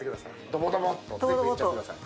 ドボドボっと全部いっちゃってください